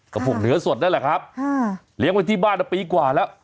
ก็พวกเนื้อสดนั่นแหละครับเลี้ยงไว้ที่บ้านปีกว่าแล้ว